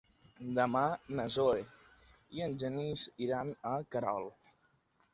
Demà na Zoè i en Genís iran a Querol.